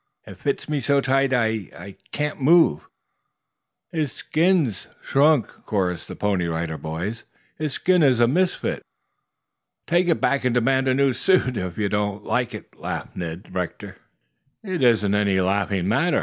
"It fits me so tight I I can't move." "His skin's shrunk," chorused the Pony Rider Boys. "His skin is a misfit." "Take it back and demand a new suit if you don't like it," laughed Ned Rector. "It isn't any laughing matter.